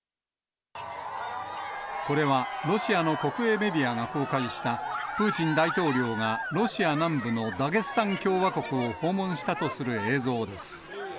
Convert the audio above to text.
これは、ロシアの国営メディアが公開したプーチン大統領が、ロシア南部のダゲスタン共和国を訪問したとする映像です。